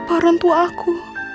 siapa orang tua aku